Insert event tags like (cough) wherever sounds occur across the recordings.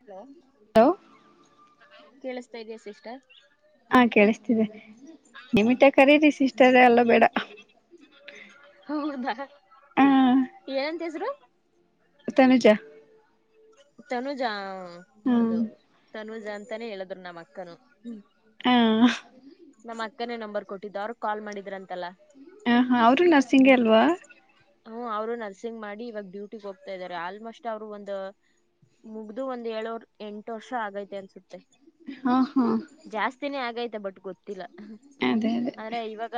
Hello hello ಕೇಳಿಸತಾ ಇದಯಾ sister ಹಾ ಕೇಳಿಸ್ತಿದೆ ನಿಮಿಟ ಕರೀರಿ ಸಿಸ್ಟರ್ ಹ್ಮ್ ಎಲ್ಲ ಬೇಡ ಹೌದಾ ಹ ಏನಂತಸರು ತನುಜ ತನುಜ ಹ್ಮ್ ಹೌದೌದು ತನುಜ ಅಂತಾನೇ ಹೇಳಿದ್ರು ನಮ್ಮ್ ಅಕ್ಕನು ಹಾ ನಮ್ಮ್ ಅಕ್ಕನೇ ನಂಬರ್ ಕೊಟ್ಟಿದ್ದು ಅವರು ಕಾಲ್ ಮಾಡಿದ್ರ ಅಂತಲ್ಲ ಹ ಹಾ ಅವರು ನರ್ಸಿಂಗೇ ಅಲ್ವಾ ಹ್ಮ ಅವ್ರು ನರ್ಸಿಂಗ್ ಮಾಡಿ ಇವಾಗ ಡ್ಯೂಟಿಿಗೆ ಹೋಗ್ತಾ ಇದಾರೆ ಆಲ್ಮೋಸ್ಟ್ ಅವ್ರು ಒಂದು ಮುಗ್ದು ಒಂದ್ ಏಳುರ್ ಎಂಟು ವರ್ಷ ಆಗೈತೆ ಅನ್ಸುತ್ತೆ ಹಾ ಹಾ ಜಾಸ್ತಿನೇ ಆಗೈತೆ ಬಟ್ ಗೊತ್ತಿಲ್ಲ ಅದೇ ಅದೇ ಅಂದ್ರೆ ಇವಾಗ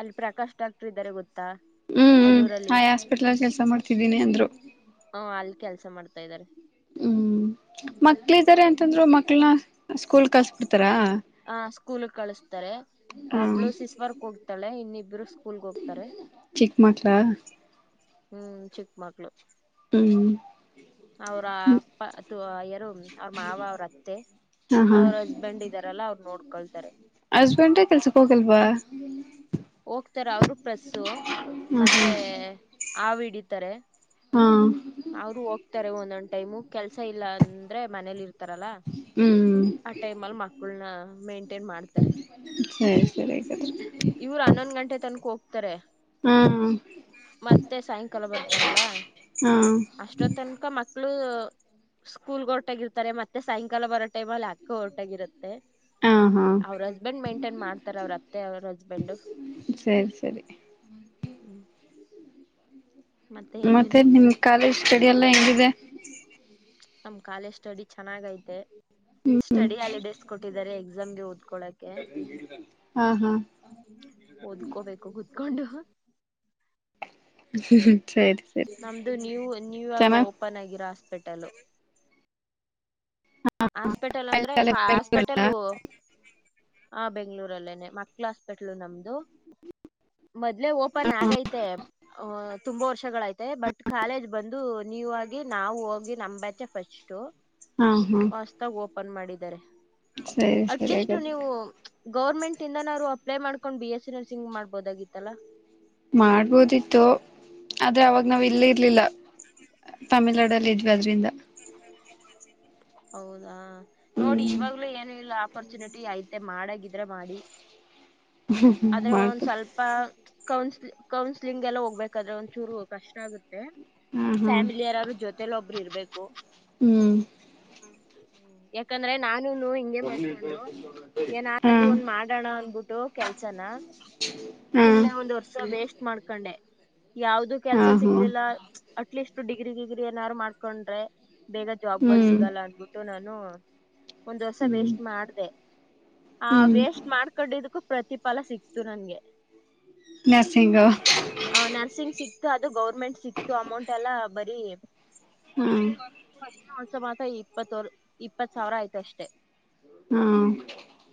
ಅಲ್ಲಿ ಪ್ರಕಾಶ್ ಡಾಕ್ಟರ್ ಇದ್ದಾರೆ ಗೊತ್ತು ಹ್ಮ್ ಹ್ಮ್ ಹಾಸ್ಪಿಟ್ಲ್ ಕೆಲ್ಸ ಮಾಡ್ತಿದ್ದೀನಿ ಅಂದ್ರು ಹ ಅಲ್ಲಿ ಕೆಲಸ ಮಾಡ್ತಾ ಇದಾರೆ ಹ್ಮ್ ಮಕ್ಳ ಇದಾರೆ ಅಂತಂದ್ರು ಮಕ್ಳನ ಸ್ಕೂಲ್ ಕಸ್ ಬಿಡ್ತಾರ ಹ ಸ್ಕೂಲ್ ಕಳಿಸಸ್ತಾರೆ ಹ್ಮ ಒಬ್ಬಳು ಸಿಸ್ ವರ್ಕ್ ಹೋಗ್ತಾಳೆ ಇನ್ನಿಬ್ರು ಸ್ಕೂಲ್ಗೆ ಹೋಗ್ತಾರೆ ಚಿಕ್ ಮಕ್ಳ ಹ್ಮ್ ಚಿಕ್ಕಮಕ್ಳು ಹ್ಮ್ ಅವ್ರ ಅಪ್ಪ ಅಥ ಯಾರೋ ಅವ್ರ ಮಾವ ಅವ್ರ ಅತ್ತೆ ಹಾ ಹಾ ಅವ್ರ ಹಸ್ಬೆಂಡ್ ಇದ್ದಾರಲ್ಲ ಅವರು ನೋಡ್ಕೊಳ್ತಾರೆ (unintelligible) ಕೆಲ್ಸಕ್ ಹೋಗಲ್ವಾ ಹೋಗ್ತಾರ ಅವರು ಪ್ರೆಸ್ಸು ಹಾ ಹಾ ಮತ್ತೆ ಆವು ಹಿಡಿತಾರೆ ಹಾ ಇರ್ತಾರೆ ಒಂದೊಂದ್ ಟೈಮು ಕೆಲ್ಸ ಇಲ್ಲ ಅಂದ್ರೆ ಮನೇಲಿ ಇರ್ತಾರಲ್ಲ ಹ್ಮ್ ಆ ಟೈಮ್ ಅಲ್ಲಿ ಮಕ್ಕಳನ ಮೇಂಟೇನ್ ಮಾಡ್ತಾರೆ ಸರಿ ಸರಿ ಹಾಗಾದ್ರೆ ಇವರು ಹನ್ನೊಂದ ಗಂಟೆ ತನ್ಕ ಹೋಗ ಹಾ ಮತ್ತೆ ಸಾಯಂಕಾಲ ಬರ್ತಾರಲ್ಲ ಹಾ ಅಷ್ಟೊತ್ತನ ಸ್ಕೂಲ್ ಹೊಟಾಗಿ ಇರ್ತಾರೆ ಮತ್ತೆ ಸಾಯಂಕಾಲ ಬರೋ ಟೈಮ್ ಅಲ್ಲಿ ಆಗ್ ಕೋರ್ಟಗಿರುತ್ತೆ ಹಾ ಹಾ ಅವ್ರ ಹಸ್ಬೆಂಡ್ ಮೇಂಟೇನ್ ಮಾಡ್ತಾರ ಅವ್ರ ಅತ್ತೆ ಅವ್ರ ಹಸ್ಬೆಂಡು ಸರಿ ಸರಿ ಹ್ಮ್ ಮತ್ತೆ ನಿಮ ಕಾಲೇಜ್ ಸ್ಟಡಿ ಎಲ್ಲ ಹೆಂಗಿದೆ ನಮ್ ಕಾಲೇಜ್ ಸ್ಟಡಿ ಚೆನ್ನಾಗ ಅಯ್ತೆ ಹ್ಮ್ ಹ್ಮ್ ಸ್ಟಡಿ ಹಾಲಿಡೇಸ್ ಕೊಟ್ಟಿದ್ದಾರೆ ಎಕ್ಸಾಮ್ಗೆ ಹದ ಹಾ ಹಾ ಓದ್ಕೋಬೇಕು ಕುತ್ಕೊಂಡು ಹ್ಮ್ ಹ್ಮ್ ನಮ್ದು ನ್ಯೂ ನ್ಯೂ ಆಗ ಚೆನ್ನಾಗ್ ಓಪನ್ ಆಗಿರೋ ಹಾಸ್ಪಿಟಲ್ ಹಾಸ್ಪಿಟಲ್ ಅಂದ್ರೆ ಬೆಂಗಳೂರಲ್ಲ? ಹಾಸ್ಪಿಟಲ್ ಹಾ ಬೆಂಗ್ಳೂರಲ್ಲೇನೆ ಮಕ್ಳ ಹಾಸ್ಪೆಟ್ಲು ನಮ್ದು ಮೊದ್ಲೆೇ ಓಪನ್ ಆಗೈತೆ ತುಂಬಾ ವರ್ಷಗಳ ಐತೆ ಬಟ್ ಕಾಲೇಜ್ ಬಂದು ನೀವು ಆಗಿ ನಾವು ಹೋಗಿ ನಮಂಬ್ಯಾಚೆ ಫಸ್ಟ್ ಹಾ ಹಾ ವಾಸ್ತಾಗ ಓಪನ್ ಮಾಡಿದ್ದಾರೆ ಸರಿ ಸರಿ ಅಟ್ಲೀಸ್ಟ್ ನೀವು ಹಾಗಾದ್ರೆ ಗೌರ್ಮೆಂಟ್ ಇಂದ್ರು ಅಪ್ಲೈ ಮಾಡ್ಕೊಂಡು ಬಿ ಎಸ್ಸ ನರ್ಸಿಂಗ್ ಮಾಡ್ಬೋದಾಗಿತ್ತಲ್ಲಾ ಮಾಡ್ಬೋದಿತ್ತು ಆದ್ರೆ ಅವಾಗ ನಾವ್ ಇಲ್ಲಿ ಇರ್ಲಿಲ್ಲ ತಮಿಳ್ನಾಡ ಅಲ್ಲಿ ಇದ್ವಿ ಅದ್ರಿಂದ ಹೌದಾ ನೋಡಿ ಹ್ಮ್ ಇವಾಗ್ಲು ಏನಿಲ್ಲ ಆಪರ್ಚುನಿಟಿ ಐತೆ ಮಾಡಗಿದ್ರೆ ಮಾಡಿ ಆದ್ರೆ ಒಂದ ಮಾಡ್ತು ಸ್ವಲ್ಪ ಕೌನ್ ಕೌನ್ಸ್ಲಿಂಗ್ ಎಲ್ಲ ಹೋಗ್ಬೇಕಾದ್ರೆ ಒಂಚೂರು ಕಷ್ಟ ಆಗುತ್ತೆ ಹಾ ಹಾ ಫ್ಯಾಮಿಲಿ ಯಾರಾದರು ಜೊತೆೇಲಿ ಒಬ್ರು ಇರ್ಬೇಕು ಹ್ಮ್ ಹ್ಮ ಯಾಕಂದ್ರೆ ನಾನುನು ಇಂಗೆ ಮಾಡ್ಕೊಂಡು ಹಾ ಏನಾದ್ರೂ ಒಂದ್ ಮಾಡೋಣ ಅಂದಬಿಟ್ಟು ಕೆಲ್ಸನ ಹಾ ಸುಮ್ನೆ ಒಂದ್ ವರ್ಷ ವೇಸ್ಟ್ ಮಾಡ್ಕೊಂಡೆ ಯಾವ್ದು ಹಾ ಕೆಲ್ಸ ಹಾ ಸಿಗ್ಲಿಲ್ಲ ಅಟ್ಲೀಸ್ಟ್ ಡಿಗ್ರಿ ಡಿಗ್ರಿ ಏನಾದಾರು ಮಾಡ್ಕೊಂಡ್ರೆ ಬೇಗ ಜಾಬ್ ಗಳು ಸಿಗ್ ಹ್ಮ್ ಆಗಲ್ಲ ಅಂದಬಿಟ್ಟು ನಾನು ಒಂದ್ ವರ್ಷ ಹ್ಮ್ ವೇಸ್ಟ್ ಮಾಡ್ದ ಆ ಹ್ಮ್ ವೇಸ್ಟ್ ಮಾಡ್ಕೊಂಡಿದ್ದಕ್ಕೂ ಪ್ರತಿಫಲ ಸಿಕ್ತು ನನ್ಗೆ ನರ್ಸಿಂಗ್ ಹಾ ಅದ ನರ್ಸಿಂಗ್ ಸಿಕ್ ಅದು ಗೌರ್ಮೆಂಟ್ ಸಿಕ್ತು ಅಮೌಂಟ್ ಎಲ್ಲಾ ಬರೀ ವರ್ಷ ಇಪ್ಪತ್ತರ್ ಇಪ್ಪತ್ ಸಾವಿರ ಆಯ್ತಷ್ಟೇ ಹಾ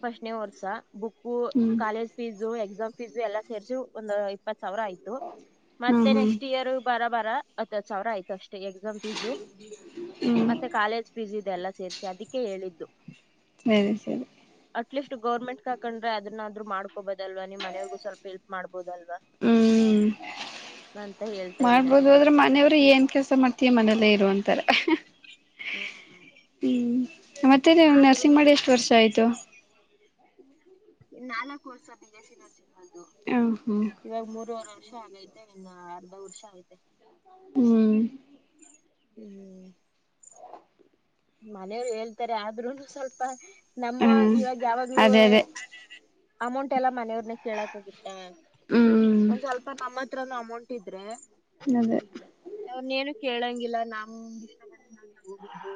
ಫಸ್ಟ್ನೇ ವರ್ಸ ಬುಕ್ಕು ಹ್ಮ್ ಕಾಲೇಜ್ ಫೀಸು ಎಕ್ಸಾಮ್ ಫೀಸು ಎಲ್ಲಾ ಸೇರ್ಸಿ ಒಂದ್ ಇಪ್ಪತ್ ಸಾವಿರ ಆಯ್ತು ಹ್ಮ್ ಮತ್ತೆ ಹ್ಮ್ ನೆಕ್ಸ್ಟ್ ಇಯರ್ ಬರ ಬಾರ ಹತ್ತತ್ ಸಾವಿರ ಆಯ್ತು ಅಷ್ಟೇ ಎಕ್ಸಾಮ್ ಫೀಸು ಹ್ಮ ಮತ್ತೆ ಕಾಲೇಜ್ ಫೀಸ್ ಇದೆಲ್ಲ ಸೇರಿಸಿ ಅದಕ್ಕೆ ಹೇಳಿದ್ದು ಸರಿ ಸರಿ ಅಟ್ಲೀಸ್ಟ್ ಗೌರ್ಮೆಂಟ್ ಹಾಕಂಡ್ರೆ ಅದನ್ನನಾದ್ರು ಮಾಡ್ಕೊಬೋದಲ್ವಾ ನಿಮ್ ಮನವರಿಗೂ ಸ್ವಲ್ಪ ಎಲ್ಪ್ ಮಾಡ್ಬೋದಲ್ವಾ (inaudible) (unintelligible) ಅಂತ ಹೇಳ್ತಾ ಇದ್ದೀನಿ ಮಾಡ್ಬೋದು ಅಷ್ಟೇ ಅದ್ರೆ ಮನೆಯವ್ರು ಏನ್ ಕೆಲ್ಸ ಮಾಡ್ತೀಯ ಮನೇಲ್ಲೇ ಇರು ಅಂತಾರೆ ಹ್ಮ್ ಮತ್ತೇ ನರ್ಸಿಂಗ್ ಆದ್ರೂನು ಮಾಡಿ ಎಷ್ಟು ವರ್ಷ ಆಯ್ತು ನಾಲ್ಕು ವರ್ಷ ಬಿ ಎಸ್ಸಿ ನರ್ಸಿಂಗ್ ಅದು ಹ ಹ್ಮ್ ಇವಾಗ ಮೂರವರೆ ವರ್ಷ ಆಗೈತೆ ಇನ್ನ ಅರ್ಧ ವರ್ಷ ಆಗೈತೆ ಹ್ಮ್ ಹ್ಮ್ ಮನೆಯವ್ರು ಹೇಳ್ತಾರೆ ಆದ್ರೂನು ಸ್ವಲ್ಪ ನಮ್ಮ ಹ್ಮ್ ಇವಾಗ ಅದೇ ಯಾವಾಗ್ಲೂವೆ ಅದೇ ಅಮೌಂಟ್ ಎಲ್ಲ ಮನೆಯವ್ರು ಕೆಳಕ್ಕಾಗುತ್ತ ಹ್ಮ್ ಒಂದ್ ಸ್ವಲ್ಪ ನಮ್ಮ ಹತ್ರನು ಅಮೌಂಟ್ ಇದ್ರೆ ಅದೇ ಅವ್ರನೇನೂ ಕೇಳಂಗಿಲ್ಲ ನಮ್ ಇಷ್ಟ ನಾ ತಗೋಬೋದು.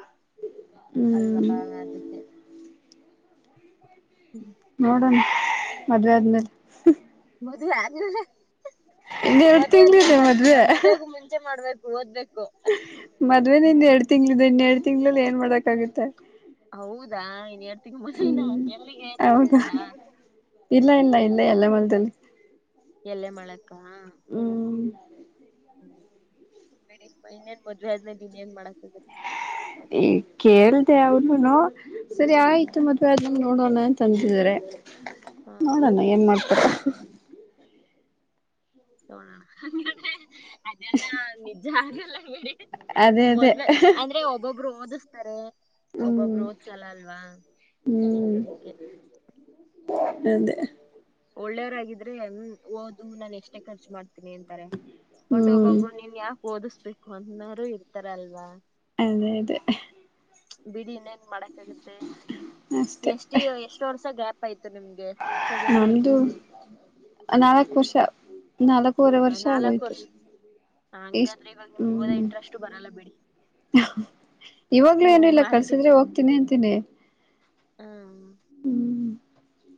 ಹ್ಮ್ ಅಲ್ವಾ ಅದಕ್ಕೆ. ನೋಡಣ ಮದ್ವೆ ಆದ್ಮೇಲೆ. ಮದ್ವೆ ಆದ್ಮೇಲೆ ಇನ್ ಎರಡ್ ಮದ್ವೆ ಆದ್ಮೇಲೆ ತಿಂಗಳಿದೆ ಮಾಡ್ತರ ಮದ್ವೆಗೂ ಮುಂಚೆ ಮಾಡ್ಬೇಕು ಓದ್ಬೇಕು ಮದ್ವೆನೆ ಇನ್ ಎರಡ್ ತಿಂಗಳಿದೆ ಇನ್ನೆರಡ್ ತಿಂಗ್ಳಲ್ಲಿ ಏನ್ ಮಾಡಕ್ ಆಗುತ್ತೆ ಹೌದಾ ಇನ್ ಎರಡ್ ತಿಂಗಳು (unintelligible) ಹ್ಮ್ ಎಲ್ಲಿಗೆ ತಮಿಳ್ನಾಡ. ಅಲ್ಲ ಇಲ್ಲೆ (unintelligible) ಎಲ್ಲೆ ಮಾಳಕ್ಕ (unintelligible) ಮದ್ವೆ ಆದ್ ಮೇಲೆ ಇನ್ ಏನ್ ಮಾಡಕ್ ಆಗತ್ತೆ. ಈ ಕೇಳ್ದೆ ಅವರ್ ನುನೂ ಸರಿ ಆಯ್ತು ಮದ್ವೆ ಅದಮೇಲೆ ನೋಡೋಣ ಅಂತ ಅಂದಿದರೆ ಹಾ ನೋಡೋಣ ಏನ್ ಮಾಡ್ತಾರೆ ನೋಡಣ ಅದೆಲ್ಲ ನಿಜ ಆಗಲ್ಲ ಬಿಡಿ ಅದೇ ಅದೇ ಮದ್ವೆ ಅಂದ್ರೆ ಒಬ್ಬೊಬ್ರು ಓದಿಸ್ತಾರೆ ಹ್ಮ್ ಒಬ್ಬೊಬ್ಬರು ಹೋದ್ಸಲ್ಲ ಅಲ್ವಾ ಅದಕ್ಕೆ ನಂದೇ ಒಳ್ಳೆವರಾಗಿದ್ರೆ ಹ್ಮ ಓದು ನಾನ್ ಎಷ್ಟೇ ಖರ್ಚು ಮಾಡ್ತಿ ತಿನಿ ಅಂತಾರೆ ಬಟ್ ಹ್ಮ್ ಒಬ್ಬೊಬ್ರು ನೀನ್ ಯಾಕೆ ಓದಿಸ್ಬೇಕು ಅನ್ನೋರು ಇರ್ತಾರಲ್ವಾ ಅದೇ ಅದೇ ಬಿಡಿ ಇನ್ನೇನ್ ಮಾಡಕ್ಕಾಗುತ್ತೆ ಅಷ್ಟೆ ಎಷ್ಟಿ ಎಷ್ಟು ವರ್ಷ ಗ್ಯಾಪ್ ಆಯ್ತು ನಿಮ್ಗೆ ಸೆಕೆಂಡ್ ಇಯರ್ ನಮ್ದು ಮುಗಸಿ ನಾಲ್ಕು ವರ್ಷ ನಾಲ್ಕೂವರೆ ವರ್ಷ ನಾಲ್ಕ್ ಆಗೋಯ್ತು ವರ್ಷ ಇಷ್ಟ ಹಂಗಾದ್ರೆ ಇವಾಗ ನಿಮ್ಗೆ ಹೋದ ಹ್ಮ್ ಇಂಟ್ರೆಸ್ಟ್ ಬರಲ್ಲ ಬಿಡಿ ಇವಾಗ್ಲೇ ಏನು ಹ್ಮ್ ಇಲ್ಲ ಮಾಡ್ತಿ ಕಳ್ಸಿದ್ರೆ ಹೋಗ್ತಿನಿ ಅಂತೀನಿ ಹ್ಮ್ ಹ್ಮ್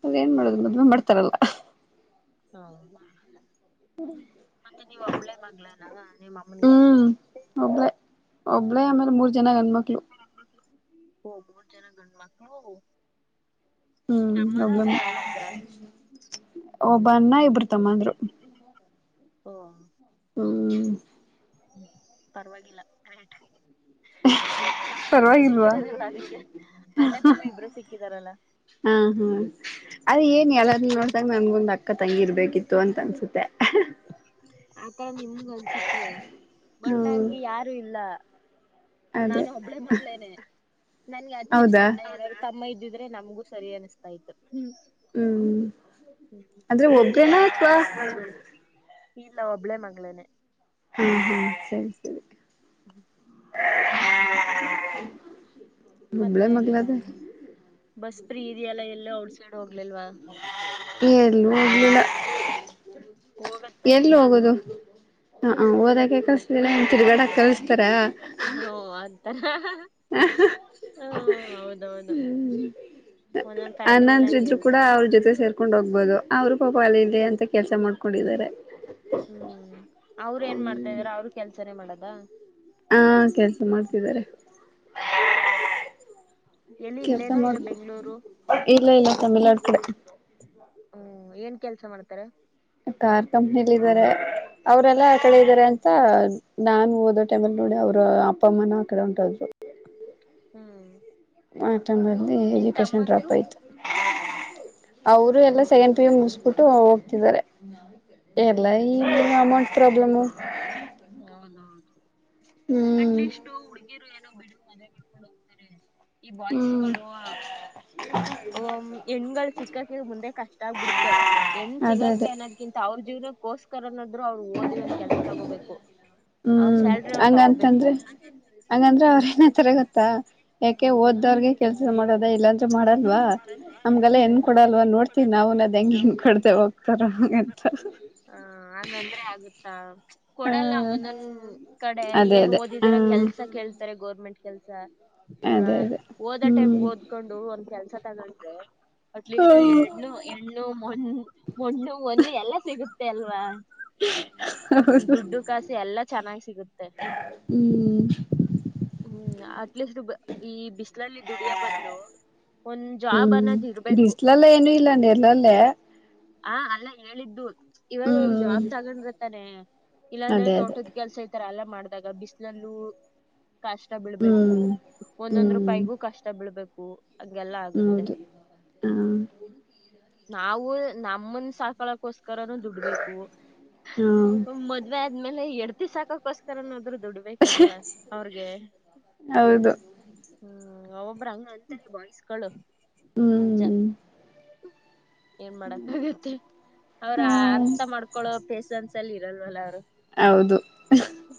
ಅದೇ ಏನ್ ಮಾಡೋದು ಮದ್ವೆ ಮಾಡ್ತಾರಲ್ಲ ನೋ ಮತ್ತೆ ನೀವ್ ಒಬ್ಳೇ ಮಗಳಾನ ನಿಮ್ಮಮ್ಮನಗೆ ಒಬ್ರೇ ಆಮೇಲೆ ಮೂರ್ ಜನ ಗಣ್ಮಕ್ಳು ಓಹ್ ಮೂರ್ ಜನ ಗಂಡ್ ಮಕ್ಳು ನಿಮ್ ಹ್ಮ್ ತಮ್ಮನ ಒಬ್ಲೇನೆ ಇಲ್ಲ ಅಣ್ಣಂದ್ರ ಒಬ ಅಣ್ಣ ಇಬ್ರು ತಮ್ಮಂದ್ರು. ಓಹ್ ಹ್ಮ್ ಹ್ಮ ಪರವಾಗಿಲ್ಲ (unintelligible) ಅಣ್ಣ ತಮ್ಮ ಇಬ್ರು ಪರವಾಗಿಲ್ವಾ ಸಿಕ್ಕಿದಾರಲ್ಲ ಅದಕ್ಕೆ ಅಣ್ಣ ತಮ್ಮ ಇಬ್ರು ಸಿಕ್ಕಿದಾರಲ್ಲ ಹ್ಮ್ ಹ್ಮ್ ಅದ ಏನ್ ಎಲ್ಲಾರೂ ನೋಡ್ದಂಗ ನಮಗೊಂದ ಅಕ್ಕ ತಂಗಿ ಇರ್ಬೇಕಿತ್ತು ಅಂತ ಅನ್ಸುತ್ತೆ. ಆತರ ನಿಮಗೆ ಅನ್ಸುತ್ತೆ ಬಟ್ ಹ್ಮ್ ನಂಗೆ ಯಾರು ಇಲ್ಲ. ಅದೇ ನಾನು ಒಬ್ಳೇ ಮಗಳೇನೆ ನನ್ಗೆ ಅಟ್ಲೀಸ್ಟ್ ಹೌದಾ ಅಣ್ಣ ಯಾರಾರೂ ತಮ್ಮ ಇದ್ದ ದಿದ್ರೆ ನಮ್ಗೂ ಸರಿ ಅನಿಸ್ತಾ ಇತ್ತು. ಹ್ಮ್ ಅಂದ್ರೆ ಒಬ್ರೇನ ಅತ್ವಾ ಇಲ್ಲ ಒಬ್ಬಳೇ ಮಗಳೇನೆ. ಹ್ಮ್ ಹ್ಮ್ ಸರಿ ಸರಿ. ಹ್ಮ. ಒಬ್ಬಳೇ ಮತ್ತೆ ಮಗ್ಳಾದೆ. ಬಸ್ ಫ್ರೀ ಇದೆಯಲ್ಲ ಎಲ್ಲೋ ಔಟ್ ಸೈಡ್ ಹೋಗ್ಲಿಲ್ವಾ. ಇಲ್ಲ ಹೋಗ್ಲಿಲ್ಲ. ಹೋಗತ್ತಾನೆ ಎಲ್ಲಿ ಎಲ್ಲಾದ್ರೂ. ಹೋಗೋದು ಹ ಹ್ ಓದಾಕ್ಕೆ ಕಳ್ಲಿಲ್ಲ ಇನ್ ತಿರ್ಗಾಡಕ್ ಕಳ್ಸ್ತಾರ. ಹ ಆತರ ಓ ಹೌದೌದು. ಒಂದೊಂದ್ ಫ್ಯಾಮಿಲಿಲಿ ಅಣ್ಣಂದ್ರ್ ಹಂಗೆ ಇದ್ರು ಕೂಡ ಇರ್ತಾರೆ ಅವ್ರ ಜೊತೆ ಸೇರ್ಕ ಕೊಂಡ್ ಹೋಗ್ಬೋದು ಅವರು ಪಾಪ ಅಲ್ ಇಲ್ಲಿ ಅಂತ ಕೆಲ್ಸ ಮಾಡ್ಕೊಂಡಿದ್ದಾರೆ. ಹ್ಮ್ ಅವ್ರ್ ಏನ್ ಮಾಡ್ತಾ ಇದಾರೆ ಅವರು ಕೆಲ್ಸನೇ ಮಾಡದ. ಹಾ ಕೆಲ್ಸ ಮಾಡ್ತಿದ್ದಾರೆ. ಎಲ್ಲಿ ಕೆಲ್ಸ ಇಲ್ಲೇನಾ ಇಲ್ಲ ಮಾಡ್ಕು ಬೆಂಗ್ಳೂರು ಇಲ್ಲ ಇಲ್ಲ ತಮ್ಮಳ್ನಾಡ್ ಕಡೆ. (inaudible) ಹ್ಮ್ ಏನ್ ಕೆಲ್ಸ ಮಾಡ್ತಾರೆ. ಕಾರ್ ಕಂಪ್ನಿಲಿ ಇದಾರೆ ಅವರೆಲ್ಲಾ ಆ ಕಡೆ ಹ್ಮ್ ಇದಾರೆ ಅಂತ ನಾನು ಓದೋ ಟೈಮಲ್ಲಿ ನೋಡಿ ಅವ್ರ ಅಪ್ಪಮ್ಮನ ಆ ಕಡೆ ಹೊಂಟೋದ್ರು. ಹ್ಮ್ ಆ ಟೈಮಲ್ಲೀ ನಿನ್ ಎಜುಕೇಷನ್ ಡ್ರಾಪ್ ಆಯ್. ತಮ್ಮಂದ್ರು ತು ಅವ್ರು ಎಲ್ಲ ಸೆಕಂಡ್ ಪಿ ಯು ಮುಗಿಸ್ಬಿಟ್ಟು ಹೋಗ್ತಿದ್ದಾರೆ. ಎಲ್ಲ ಈ ಅಮೌಂಟ್ ಪ್ರಾಬ್ಲಮ್ಮು. ಅಟ್ಲೀಸ್ಟು ಹುಡುಗೀರು ಏನೋ (unintelligible) ಮಾಡಕೊಂಡು ಹೋಗ್ತಾರೆ. ಈ ಹ್ಮ್ ಬಾಯ್ಸ್ಗಳು ಹ್ಮ ಹೆಣ್ಗಳು ಸಿಕ್ಕಕೆ ಮುಂದೆ ಕಷ್ಟ ಆಗ್ಬಿಡುತ್ತೆ ಹೆಣ್ ಅದೇ ಸಿಗಕ ಅದೇ ಅನ್ನೋದ್ಕಿಂತ ಅವ್ರ್ ಜೀವನಕ್ಕೋಸ್ಕರನ್ನ ನಾದ್ರು ಅವ್ರು ಓದಿ ಒಂದ್ ಕೆಲ್ಸ ತಗೋಬೇಕು ಅವ್ರ ಸ್ಯಾಲ್ರಿ ಅವ್ರ್ ತಗೋಬೇಕು. ಹಂಗಂದ್ರ ಅವ್ರ ಏನಂತಾರೆ ಗೊತ್ತಾ? ಯಾಕೆ ಓದ್ದವ್ರಗೆ ಕೆಲ್ಸ ಮಾಡೋದೇ ಇಲ್ಲಾಂದ್ರೂ ಮಾಡಲ್ವಾ ನಮ್ಗೆಲ್ಲ ಹೆಣ್ ಕೊಡಲ್ವ ನೋಡ್ತಿವಿ ನಾವು ಹ ಹಾಗಂದ್ರೆ ಆಗುತ್ತಾ ಹ ಕೊಡಲ್ಲ ಒಂದೊಂದ್ ಕಡೆ ಅದೇ ಏನ್ ಅದೇ ಓದಿದೀರ ಹ್ಮ್ ಕೆಲ್ಸ ಕೇಳ್ತಾರೆ ಗೌರ್ಮೆಂಟ್ ಕೆಲ್ಸ ಅಲ್ವಾ ಅದೇ ಅದೇ ಓದ ಟೈಮ್ಗೆ ಹ್ಮ್ ಓದ್ಕೊಂಡು ಒಂದ್ ಕೆಲ್ಸ ತಗೊಂಡ್ರೆ. ಅಟ್ಲೀಸ್ಟು ಹೌದು ಹೆಣ್ಣು ಹೆಣ್ಣು ಮಣ ಮಣ್ಣು ಹೊನ್ನು ಎಲ್ಲಾ ಸಿಗುತ್ತೆ ಅಲ್ವಾ. ದುಡ್ಡು ಕಾಸು ಎಲ್ಲಾ ಚೆನ್ನಾಗ್ ಸಿಗುತ್ತೆ. ಹ್ಮ್ ಹ್ಮ್ ಅಟ್ಲಿಷ್ಟು ಈ ಬಿಸಲಲ್ಲಿ ದುಡಿಯ ಬದಲು ಹ್ಮ್ ಬಿಸ್ಲಲ್ಲ್ ಏನುೂ ಇಲ್ಲ ನೆರ್ಳಲ್ಲೇ ಹ ಅಲ್ಲ ಹೇಳಿದ್ದು ಇವಾಗ ಒಂದ ಹ್ಮ್ ಜಾಬ್ ತಗೊಂಡ್ರೆತಾನೆ. ಇಲ್ಲಾಂದ್ರೆ ಅದೇ ಅದೇ ತೋಟದ್ ಕೆಲ್ಸ ಇತರ ಅಲ್ಲೇ ಮಾಡ್ದಾಗ ಬಿಸಲಲ್ಲೂ ಕಷ್ಟ ಬೀಳ್ಬೇಕು ಹ್ಮ್ ಒಂದೊಂದ್ ಹ್ಮ್ ರೂಪಾಯಿಗೂ ಕಷ್ಟ ಬೀಳ್ಬೇಕು. ಹಂಗೆಲ್ಲಾ ಆಗುತ್ತೆ ಹೌದು ಹ ನಾವು ನಮ್ಮನ್ ಸಾಕಳಕೋಸ್ ಸ್ಕರನೂ ದುಡ್ಬೇಕು ಹಾ ಮದ್ವೆ ಆದ್ಮೇಲೆ ಹೆಡ್ತಿ ಸಾಕಕೋಸ್ಕರನದ್ರೂ ದುಡ್ಬೇಕಲ್ವಾ ಸ್ ಅವ್ರ್ಗೆ. ಹೌದು ಹ್ಮ್ ಒಬ್ಬ್ರು ಹಂಗ ಅಂತಾರೆ ಬಾಯ್ಸ್ಗಳು ನಿಜ. ಹ್ಮ್ ಏನ್ ಮಾಡಕ್ ಆಗುತ್ತೆ ಅವ್ರ್ ಹ್ಮ್ ಅರ್ಥ ಮಾಡ್ಕೊಳೋ ಪೇಷನ್ಸ್ಲ್ ಇರಲ್ವಲ್ಲ ಅವ್ರು. ಹೌದು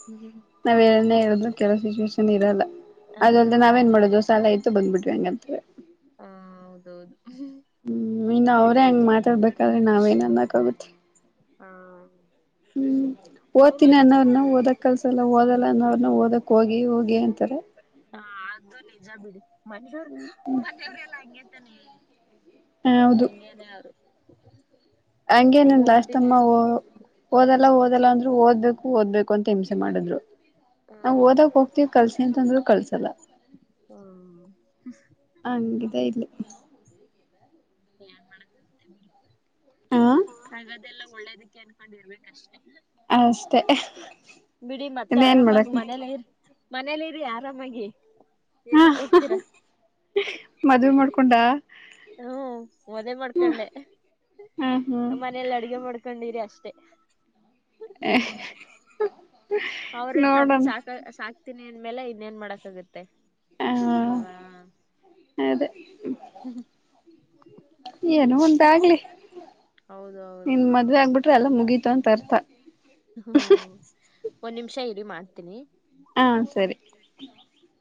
ಹ್ಮ್ ನಾವೇನೇ ಹೇಳಿದ್ರೂ ಕೇಳೊ ಸಿಚುವೇಶನ್ ಇರಲ್ಲ. ಅದಲ್ಲದೇ ನಾವೇನ್ ಹ್ಮ್ ಮಾಡೋದು ಸಾಲ ಆಯತ್ತು ಬಂದ್ಬ ಬಿಟ್ವಿ ಹಂಗಂತ ಹಾ ಹೌದೌದು ಹ್ಮ್ ಇನ್ನ ಅವ್ರೇ ಹೆಂಗ ಮಾತಾಡ್ಬೇಕಾದ್ರೀ ನಾವೇನ್ ಅನ್ನಕ್ಕಾಗುತ್ತೆ. ಹಾ ಹ್ಮ್ ಅವ್ರು ಓದ್ತೀನಿ ಅರ್ಥ ಅನ್ನೋವ್ರನ ಓದಕ್ ಮಾಡ್ಕೊಬೇಕು ಕಲ್ಸಲ್ಲ ಓದಲ್ಲ ಅನ್ನೋರನ ಓದಕ್ ಹೋಗಿ ಹೋಗಿ ಅಂತರ್ (unintelligible) ಹಾ ಅದು ನಿಜ ಬಿಡಿ ಮನೇವರ್ ಮನೆವ್ರೆಲ್ಲ ಹಂಗೇತ ನೀ (unintelligible) ಹಂಗೇನನ್ ಲಾಸ್ಟ್ ತಮ್ಮಾ ಅಂದ ಹೋ ಓದಲ್ಲ ಹ್ಮ್ ಓದಲ್ಲ ಅಂದ್ರು ಓದ್ಬೇಕು ಓದ್ಬೇಕು ಅಂತ ಹಿಂಸೆ ಮಾಡಿದ್ರು. ನಾವ ಓದಕ್ ಹ್ಮ್ ಹೋಗ್ತಿವಿ ಕಲ್ಸಿ ಅಂತಂದ್ರರು ಕಲ್ಸಲ್ಲ. ಹ್ಮ ಹಂಗಿದ ಇಲ್ಲಿ ಏನ್ ಮಾಡಕ್ಕಾಗುತ್ತೆ ಬಿಡು ಹ ಒಳ್ಳೇದಕ್ಕೆ ಅನ್ಕೊಂಡ್ ಇರ್ಬೇಕಷ್ಟೇ. ಅಷ್ಟೆ ಬಿಡಿ ಮತ್ತೆ ಇನ್ನ ಏನ್ ಆರಾಮಾಗಿ ಮಾಡಕಗುತ್ತೆ. ಮನೇಲಿ ಇರಿ ಮನೇಲಿ ಇರಿ ಆರಾಮಾಗಿ ಹಾ ಏನಕ್ ಹೋಗ್ತೀರಾ ಮದ್ವೆ ಮಾಡ್ಕೊಂಡ ಹ್ಮ್ ಮದೆ ಮಾಡ್ಕೊಂಡೆ ಹ್ಮ್ ಹ್ಮ್ ಮನೇಲಿ ಅಡ್ಗೆ ಮಾಡ್ಕೊಂಡಿರಿ ಅಷ್ಟೇ. ಹೇ ಅವ್ರ ತಂದ ಸಾಕ ಸಾಕ್ತೀನಿ ಅಂದ್ಮೇಲೆ ಇನ್ನೇನ್ ಮಾಡಕ್ಗತ್ತೆ. ಅಲ್ವಾ ಹ್ಮ ಅದೇ ಏನೋ ಒಂದಾಗ್ಲಿ ಹೌದು ಹೌದು ನಿನ್ ಮದ್ವೆ ಆಗ್ಬಿಟ್ರೆ ಎಲ್ಲ ಮುಗೀತು ಅಂತ ಅರ್ಥ. ಹ್ಮ್ ಒಂದ್ ನಿಮಿಷ ಇರಿ ಮಾಡ್ತೀನಿ. ಹಾ ಸರಿ